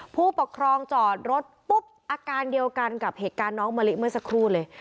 ผู้ปกครองจอดรถปุ๊บอาการเดียวกันกับเหตุการณ์น้องมะลิเมื่อสักครู่เลย